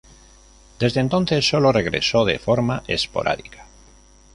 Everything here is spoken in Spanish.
Desde entonces sólo regresó de forma esporádica.